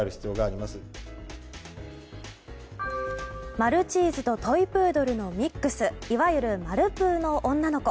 マルチーズとトイプードルのミックスいわゆるマルプーの女の子。